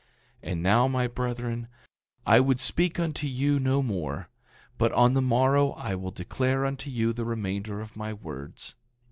9:54 And now, my brethren, I would speak unto you more; but on the morrow I will declare unto you the remainder of my words.